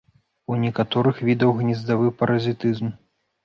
У некаторых відаў гнездавы паразітызм.